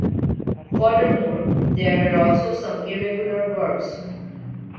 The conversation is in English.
Furthermore, there were also some irregular verbs.